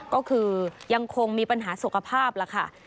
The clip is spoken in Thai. ก็คือยังคงมีปัญหาสุขภาพล่ะค่ะ